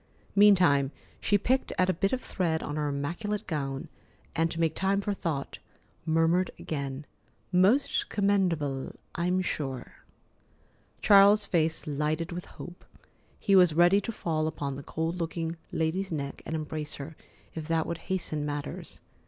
Meantime, she picked at a bit of thread on her immaculate gown, and, to make time for thought, murmured again: "Most commendable, I'm sure." Charles's face lighted with hope. He was ready to fall upon the cold looking lady's neck and embrace her, if that would hasten matters.